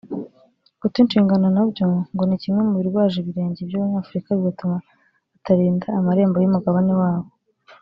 ‘Guta inshingano’ na byo ngo ni kimwe mubirwaje ibirenge by’abanyafurika bigatuma batarinda amarembo y’umugabane wabo